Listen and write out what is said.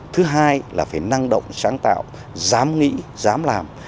thứ hai là phải năng động sáng tạo dám nghĩ dám làm